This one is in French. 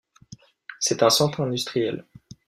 C'est un centre industriel.